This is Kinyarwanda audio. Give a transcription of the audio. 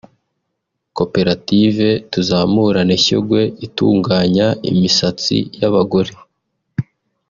Koperative ‘Tuzamurane Shyogwe’ itunganya imisatsi y’abagore